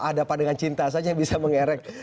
adapa dengan cinta saja bisa mengerek